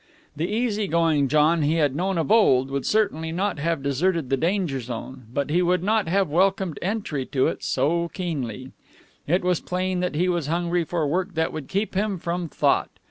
The easy going John he had known of old would certainly not have deserted the danger zone, but he would not have welcomed entry to it so keenly. It was plain that he was hungry for work that would keep him from thought.